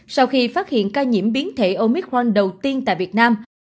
sau khi phát hiện ca nhiễm biến thể omicron đầu tiên tại việt nam